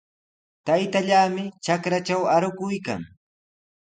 Taytallaami trakratraw arukuykan.